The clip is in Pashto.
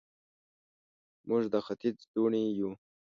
موږ د ختیځ لوڼې یو